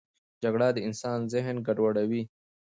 جګړه د انسان ذهن ګډوډوي